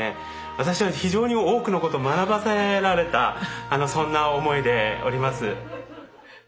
私は非常に多くのことを学ばせられたそんな思いでおります。